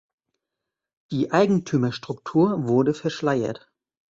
Die Eigentümerstruktur wurde verschleiert.